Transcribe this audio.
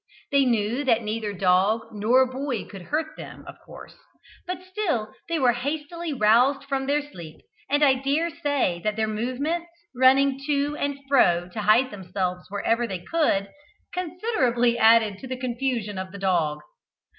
They knew that neither dog nor boy could hurt them, of course; but still they were hastily roused from their sleep, and I dare say that their movements, running to and fro to hide themselves wherever they could, considerably added to the confusion of the dog.